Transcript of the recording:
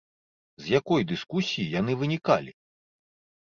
З якой дыскусіі яны вынікалі?